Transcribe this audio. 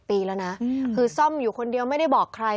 ปีแล้วนะคือซ่อมอยู่คนเดียวไม่ได้บอกใคร